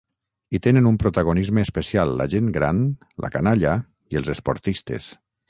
Hi tenen un protagonisme especial la gent gran, la canalla i els esportistes.